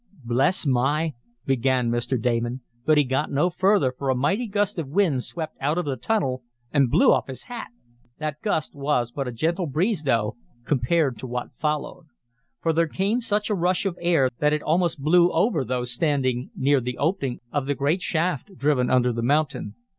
"Bless my " began Mr. Damon, but he got no further, for a mighty gust of wind swept out of the tunnel, and blew off his hat. That gust was but a gentle breeze, though, compared to what followed. For there came such a rush of air that it almost blew over those standing near the opening of the great shaft driven under the mountain.